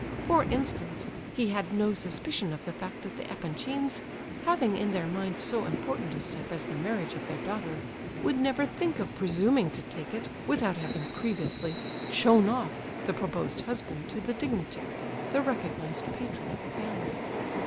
For instance, he had no suspicion of the fact that the Epanchins, having in their mind so important a step as the marriage of their daughter, would never think of presuming to take it without having previously "shown off" the proposed husband to the dignitary—the recognized patron of the family.